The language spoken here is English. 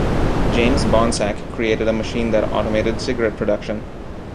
James Bonsack created a machine that automated cigarette production.